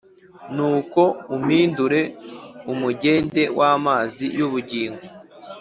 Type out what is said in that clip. Nuko umpindure umugende w’amazi y’ubugingo